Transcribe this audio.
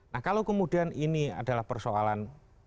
nah kalau kemudian ini adalah persoalan